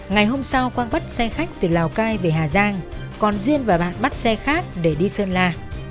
ngày hôm sau quang bắt xe khách từ lào cai về hà giang còn duyên và bạn bắt xe khác để đi sơn la